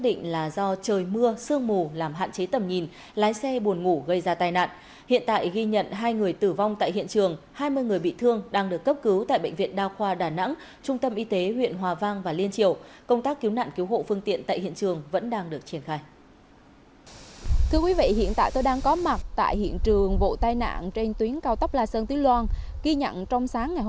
địa hình hiểm trở nguy hiểm nên công tác cứu nạn cứu hộ gặp rất nhiều khó khăn